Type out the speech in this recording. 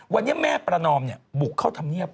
วันนี้แม่ประนอมบุกเข้าทำเงียบเลย